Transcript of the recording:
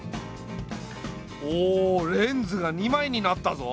おおレンズが２枚になったぞ。